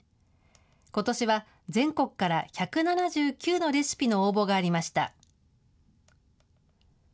ことしは、全国から１７９のレシピの応募がありました。